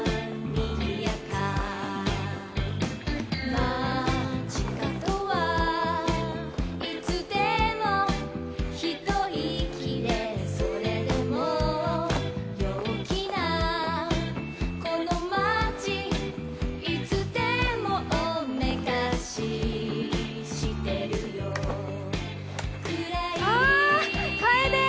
「街角はいつでもひといきれ」「それでも陽気なこの街いつでもおめかししてるよ」あかえで！